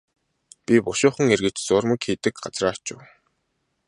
Би бушуухан эргэж зуурмаг хийдэг газраа очив.